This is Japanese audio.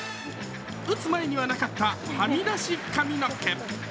打つ前にはなかったはみ出し髪の毛。